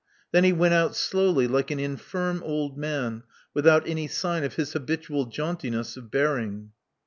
Then he went out slowly, like an infirm old man, without any sign of his habitual jauntiness of bearing.